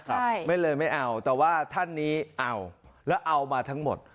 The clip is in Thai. ใช่ไม่เลยไม่เอาแต่ว่าท่านนี้เอาแล้วเอามาทั้งหมด